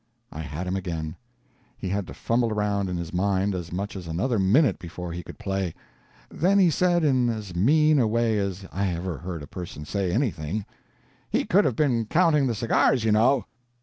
I had him again. He had to fumble around in his mind as much as another minute before he could play; then he said in as mean a way as I ever heard a person say anything: "He could have been counting the cigars, you know."